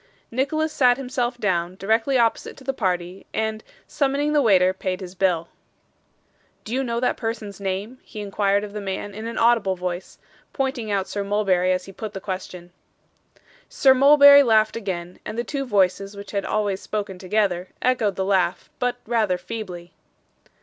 Nicholas sat himself down, directly opposite to the party, and, summoning the waiter, paid his bill. 'Do you know that person's name?' he inquired of the man in an audible voice; pointing out Sir Mulberry as he put the question. Sir Mulberry laughed again, and the two voices which had always spoken together, echoed the laugh; but rather feebly.